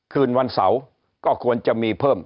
คืนวันเสาร์ก็ควรจะมีเพิ่ม